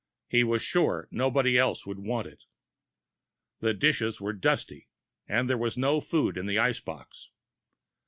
He was sure nobody else would want it. The dishes were dusty, and there was no food in the ice box.